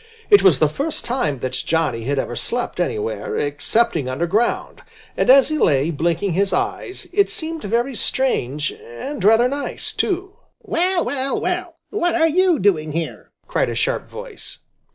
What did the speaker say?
It was the first time that Johnny had ever slept anywhere, excepting underground, and as he lay blinking his eyes, it seemed very strange and rather nice, too. "Well, well, well! What are you doing here?" cried a sharp voice.